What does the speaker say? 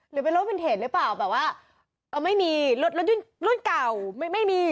หรือเป็นรถวินเทจหรือเปล่าแบบว่าไม่มีรถเก่าไม่มี